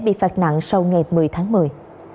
xin chào và hẹn gặp lại